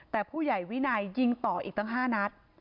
แต่ผู้ใหญ่วินัยยิงต่ออีกตั้ง๕นัด